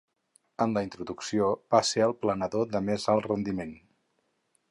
En la introducció va ser el planador de més alt rendiment.